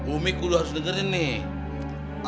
umi kulu harus dengerin nih